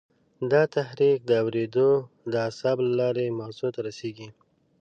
دا تحریک د اورېدو د عصب له لارې مغزو ته رسېږي.